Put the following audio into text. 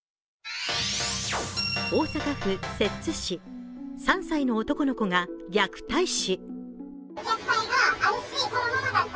大阪府摂津市、３歳の男の子が虐待死。